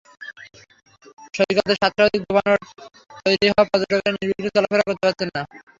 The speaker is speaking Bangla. সৈকতে সাত শতাধিক দোকানপাট তৈরি হওয়ায় পর্যটকেরা নির্বিঘ্নে চলাফেরা করতে পারছেন না।